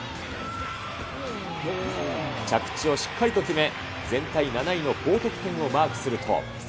着地をしっかりと決め、全体７位の高得点をマークすると。